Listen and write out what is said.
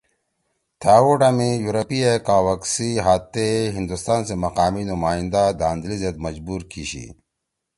تھأ ووٹا می یورپی ئے کاوکس سی ہات تے ہندوستان سی مقامی نمائندہ دھاندلی زید مجبور کیِشی